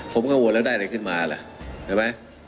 ผมก็ว่าแล้วได้อะไรขึ้นมาเหรอเห็นไหม